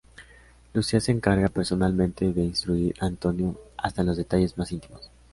Lucía se encarga, personalmente, de instruir a Antonio hasta en los detalles más íntimos.